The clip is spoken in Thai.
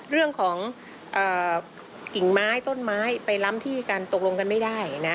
เรื่องของกิ่งไม้ต้นไม้ไปล้ำที่กันตกลงกันไม่ได้นะ